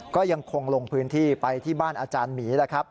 ก็ยังคงลงพื้นที่ไปที่บ้านอาจารย์หมีแล้วครับ